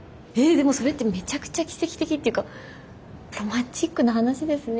でもそれってめちゃくちゃ奇跡的というかロマンチックな話ですね。